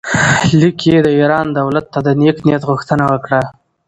لیک کې یې د ایران دولت ته د نېک نیت غوښتنه وکړه.